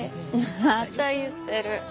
また言ってる。